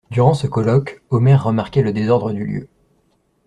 Durant ce colloque, Omer remarquait le désordre du lieu.